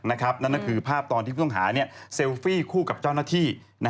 นั่นก็คือภาพตอนที่ผู้ต้องหาเซลฟี่คู่กับเจ้าหน้าที่